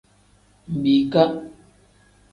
Mbiika.